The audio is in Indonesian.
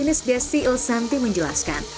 psikolog klinis desi ilshanti menjelaskan